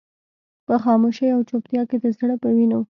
په خاموشۍ او چوپتيا کې د زړه په وينو.